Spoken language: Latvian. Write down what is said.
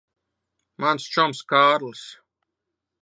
Mans čoms Kārlis.